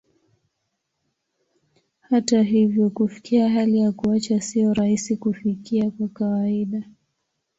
Hata hivyo, kufikia hali ya kuacha sio rahisi kufikia kwa kawaida.